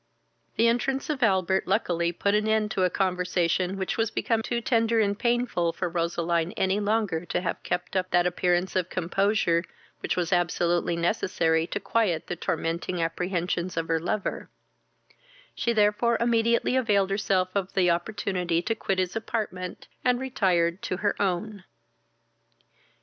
The entrance of Albert luckily put an end to a conversation which was become too tender and painful for Roseline any longer to have kept up that appearance of composure which was absolutely necessary to quiet the tormenting apprehensions of her lover; she therefore immediately availed herself of the opportunity to quit his apartment, and retired to her own.